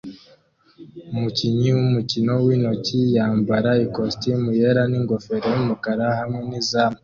Umukinyi wumukino wintoki yambara ikositimu yera ningofero yumukara hamwe nizamu